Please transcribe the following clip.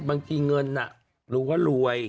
บางทีเงินรู้ว่ารวย